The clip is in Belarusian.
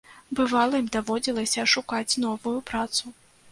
Бывала, ім даводзілася шукаць новую працу.